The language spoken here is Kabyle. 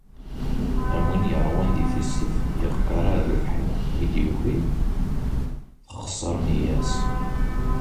Am win yeṛwan di tissit yeqqar a rrebḥ-iw, mi d-yuki texṣer nniya-s.